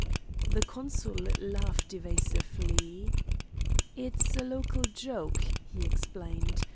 The consul laughed evasively. "It's a local joke," he explained.